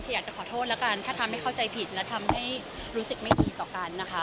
อยากจะขอโทษแล้วกันถ้าทำให้เข้าใจผิดและทำให้รู้สึกไม่ดีต่อกันนะคะ